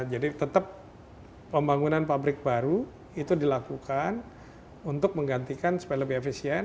jadi tetap pembangunan pabrik baru itu dilakukan untuk menggantikan supaya lebih efisien